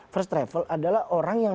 first travel adalah orang yang